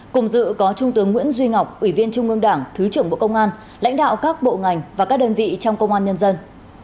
cùng dự có trung tướng nguyễn duy ngọc ủy viên trung ương đảng thứ trưởng bộ công an lãnh đạo các bộ ngành và các đơn vị trong công an nhân dân